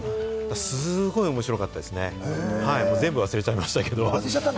すごく面白かったですね、全部忘れちゃいましたけど。